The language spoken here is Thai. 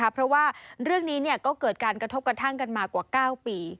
เพราะว่าเรื่องนี้ก็เกิดการกระทบกระทั่งกันมากว่า๙ปี